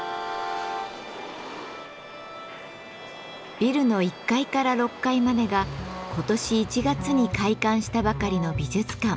ビルの１階から６階までが今年１月に開館したばかりの美術館。